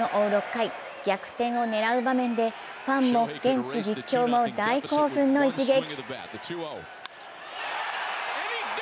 ６回、逆転を狙う場面でファンも現地実況も大興奮の一撃。